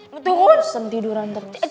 bosan tiduran terus